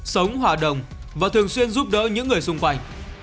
sống hòa đồng và thường xuyên giúp đỡ những người xung quanh